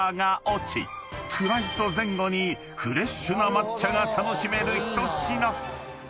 ［フライト前後にフレッシュな抹茶が楽しめる一品］